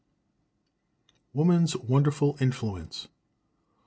Woman's Wonderful Influence.